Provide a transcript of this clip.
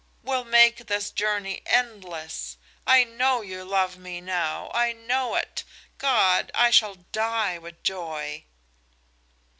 "We'll make this journey endless. I know you love me now I know it! God, I shall die with joy!"